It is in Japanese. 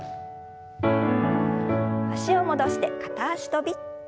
脚を戻して片脚跳び。